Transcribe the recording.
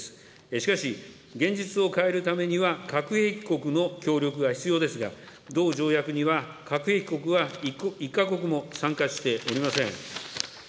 しかし、現実を変えるためには核兵器国の協力が必要ですが、同条約には核兵器国は１か国も参加しておりません。